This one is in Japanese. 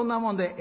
「え？